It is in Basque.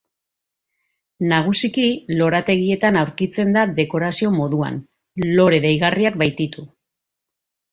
Nagusiki lorategietan aurkitzen da dekorazio moduan, lore deigarriak baititu.